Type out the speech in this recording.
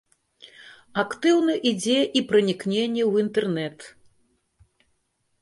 Актыўна ідзе і пранікненне ў інтэрнэт.